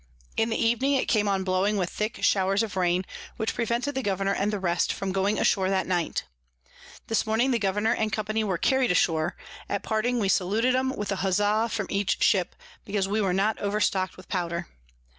In the Evening it came on blowing with thick Showers of Rain, which prevented the Governour and the rest from going ashore that night. This Morning the Governour and Company were carry'd ashore: at parting we saluted 'em with a Huzza from each Ship, because we were not overstock'd with Pouder.